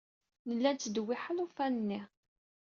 Nella nettdewwiḥ alufan-nni.